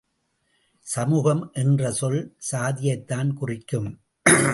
சமூகம் என்ற சொல் சாதியைத்தான் குறிக்கும்.